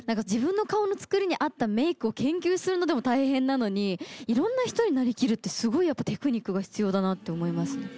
自分の顔のつくりに合ったメークを研究するのでも大変なのにいろんな人に成りきるってすごいテクニックが必要だなって思います。